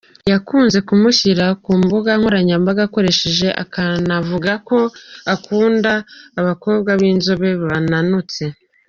Yakunze kumushyira ku mbuga nkoranyambaga akoresha akanavuga ko akunda abakobwa b’inzobe bananutse.